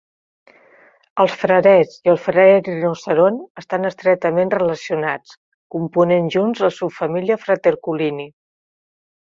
Els frarets i el fraret rinoceront estan estretament relacionats, component junts la subfamília Fraterculini.